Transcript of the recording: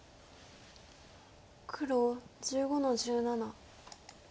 黒１５の十七。